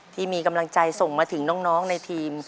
ที่มีกำลังใจส่งมาถึงน้องในทีม